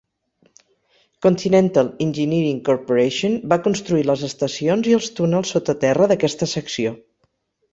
Continental Engineering Corporation va construir les estacions i els túnels sota terra d'aquesta secció.